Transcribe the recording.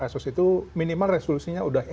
asus itu minimal resolusinya udah